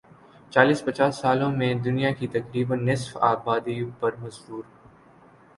چالیس پچاس سالوں میں دنیا کی تقریبا نصف آبادی پر مزدور